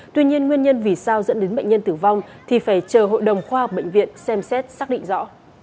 tuy nhiên nguyên nhân vì sao dẫn đến bệnh nhân tử vong thì phải chờ hội đồng khoa học bệnh viện xem xét xác định rõ